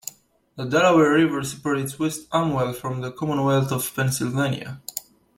The Delaware River separates West Amwell from the Commonwealth of Pennsylvania.